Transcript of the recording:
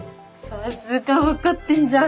さすが分かってんじゃん。